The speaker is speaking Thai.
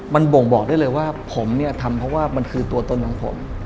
มันบ่งบอกได้เลยว่าผมเนี่ยทำเพราะว่ามันคือตัวตนของผม